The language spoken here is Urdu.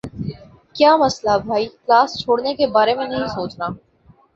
کیا مسلہ بھائی؟ کلاس چھوڑنے کے بارے میں نہیں سوچنا۔